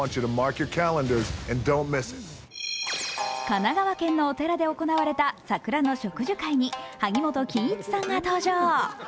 神奈川県のお寺で行われた桜の植樹会に萩本欽一さんが登場。